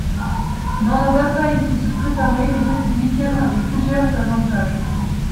Dans la bataille qui se préparait, les républicains avaient plusieurs avantages.